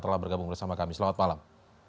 telah bergabung bersama kami selamat malam